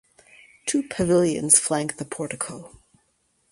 Two pavilions flank the portico.